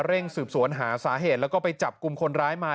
เร่งสืบสวนหาสาเหตุแล้วก็ไปจับกลุ่มคนร้ายมา